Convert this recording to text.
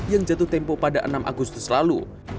yang jatuh tempo pada enam agustus lalu